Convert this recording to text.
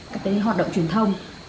các cái hoạt động truyền thông